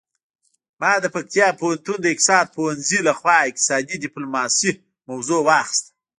ما د پکتیا پوهنتون د اقتصاد پوهنځي لخوا اقتصادي ډیپلوماسي موضوع واخیسته